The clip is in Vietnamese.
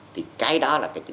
thì cái đó là cái chính xác